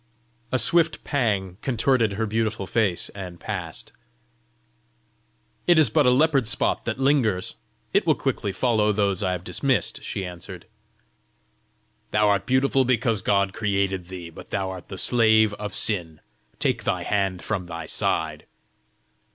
A swift pang contorted her beautiful face, and passed. "It is but a leopard spot that lingers! it will quickly follow those I have dismissed," she answered. "Thou art beautiful because God created thee, but thou art the slave of sin: take thy hand from thy side."